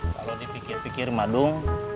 kalau dipikir pikir madung